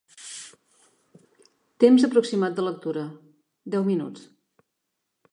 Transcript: Temps aproximat de lectura: deu minuts.